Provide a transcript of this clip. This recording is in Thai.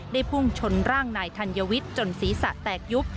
พุ่งชนร่างนายธัญวิทย์จนศีรษะแตกยุบ